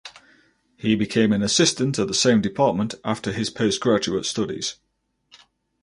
He became an assistant at the same department after his postgraduate studies.